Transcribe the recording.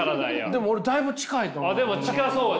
でも俺だいぶ近いと思う。